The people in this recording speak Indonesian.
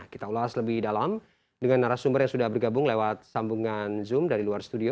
kita ulas lebih dalam dengan narasumber yang sudah bergabung lewat sambungan zoom dari luar studio